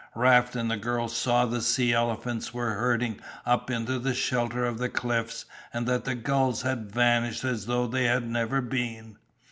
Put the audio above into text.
Raft and the girl saw that the sea elephants were herding up into the shelter of the cliffs and that the gulls had vanished as though they had never been.